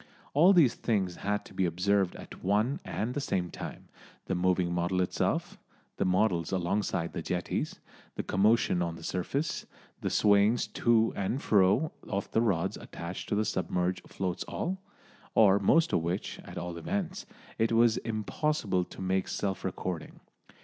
All these things had to be observed at one and the same time the moving model itself, the models alongside the jetties, the commotion on the surface, the swayings to and fro of the rods attached to the submerged floats all, or most of which, at all events, it was impossible to make self recording.